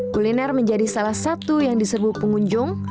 kuliner menjadi salah satu yang diserbu pengunjung